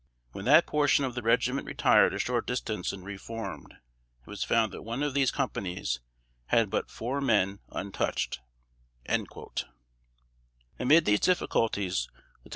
When that portion of the regiment retired a short distance and re formed, it was found that one of these companies had but four men untouched." Amid these difficulties, Lieut.